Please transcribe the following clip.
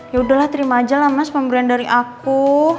yaudahlah terima aja lah mas pemberian dari aku